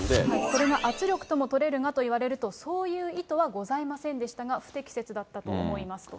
これが圧力とも取れるがと言われると、そういう意図はございませんでしたが、不適切だったと思いますと。